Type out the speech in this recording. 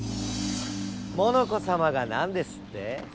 モノコさまが何ですって？